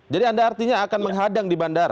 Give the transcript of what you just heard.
jadi anda artinya akan menghadang di bandara